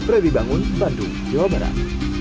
predibangun bandung jawa barat